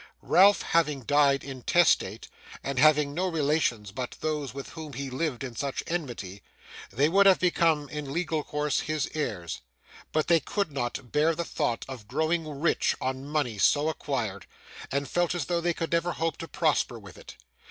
Ralph, having died intestate, and having no relations but those with whom he had lived in such enmity, they would have become in legal course his heirs. But they could not bear the thought of growing rich on money so acquired, and felt as though they could never hope to prosper with it.